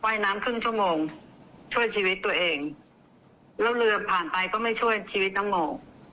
ยน้ำครึ่งชั่วโมงช่วยชีวิตตัวเองแล้วเรือผ่านไปก็ไม่ช่วยชีวิตนโม